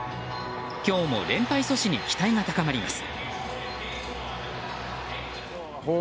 今日も連敗阻止に期待が高まります。